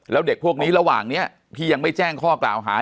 แล้วเด็กพวกนี้ระหว่างนี้ที่ยังไม่แจ้งข้อกล่าวหา